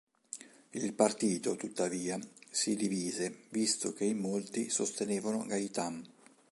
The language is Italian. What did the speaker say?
Il partito tuttavia si divise visto che in molti sostenevano Gaitán.